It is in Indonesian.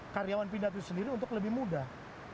karyawan pindah itu sendiri untuk lebih mudah